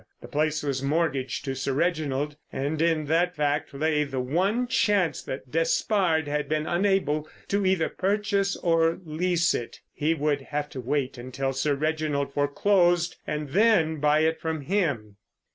The place was mortgaged to Sir Reginald, and in that fact lay the one chance that Despard had been unable to either purchase or lease it. He would have to wait until Sir Reginald foreclosed and then buy it from him.